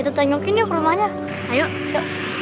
gue gak enak badan bos